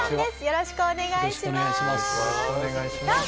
よろしくお願いします。